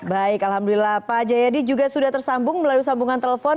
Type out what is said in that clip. baik alhamdulillah pak jayadi juga sudah tersambung melalui sambungan telepon